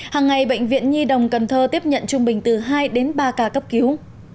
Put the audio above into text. hàng ngày bệnh viện nhi đồng cần thơ tiếp nhận trung bình từ hai đến ba ca cấp cứu